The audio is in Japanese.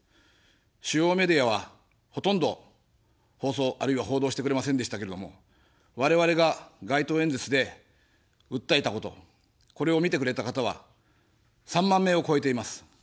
主要メディアは、ほとんど、放送あるいは報道してくれませんでしたけれども、我々が街頭演説で訴えたこと、これを見てくれた方は３万名を超えています。